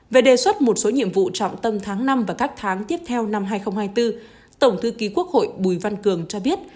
về đề xuất một số nhiệm vụ trọng tâm tháng năm và các tháng tiếp theo năm hai nghìn hai mươi bốn tổng thư ký quốc hội bùi văn cường cho biết